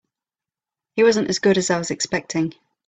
He wasn't as good as I was expecting.